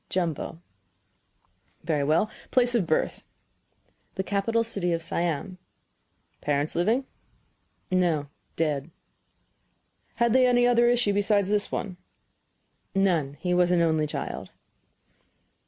"Jumbo." "Very well. Place of birth?" "The capital city of Siam." "Parents living?" "No dead." "Had they any other issue besides this one?" "None. He was an only child."